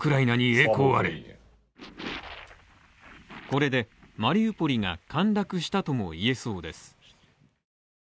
これで、マリウポリが陥落したともいえそうです。